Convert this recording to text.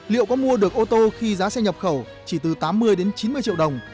liệu có mua được ô tô khi giá xe nhập khẩu chỉ từ tám mươi đến chín mươi triệu đồng